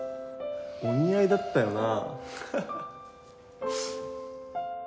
お似合いだったよな。